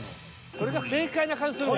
これが正解な感じするもん。